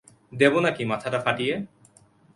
দেব নাকি মাথাটা ফাটিয়ে?